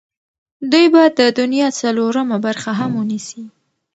دوی به د دنیا څلورمه برخه هم ونیسي.